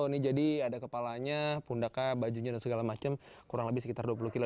ini jadi ada kepalanya pundaka bajunya dan segala macam kurang lebih sekitar dua puluh kilo